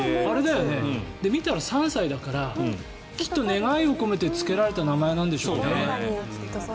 見たら、３歳だからきっと願いを込めてつけられた名前なんでしょうね。